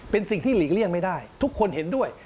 เป็นสิ่งที่หลีกเลี่ยงไม่ได้ทุกคนเห็นด้วย